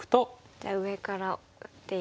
じゃあ上から打っていって。